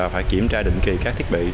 phải kiểm tra định kỳ các thiết bị